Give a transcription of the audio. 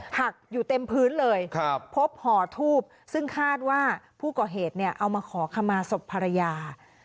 หักอยู่เต็มพื้นเลยพบห่อทูบซึ่งคาดว่าผู้ก่อเหตุเนี่ยเอามาขอขมาศพภรรยา